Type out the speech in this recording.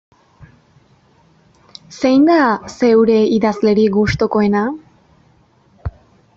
Zein da zeure idazlerik gustukoena?